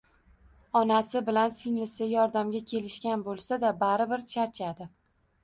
Onasi bilan singlisi yordamga kelishgan bo`lsa-da, baribir charchadi